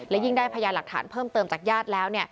และยิ่งได้พยานหลักฐานเพิ่มเติมจากญาติแล้ว